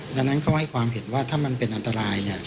ดังนั้นเขาให้ความเห็นว่าถ้ามันเป็นอันตรายเนี่ย